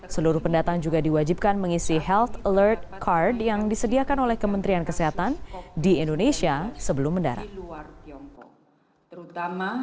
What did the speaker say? seluruh pendatang juga diwajibkan mengisi health alert card yang disediakan oleh kementerian kesehatan di indonesia sebelum mendarat